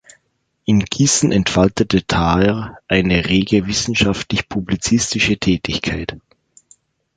In Gießen entfaltete Thaer eine rege wissenschaftlich-publizistische Tätigkeit.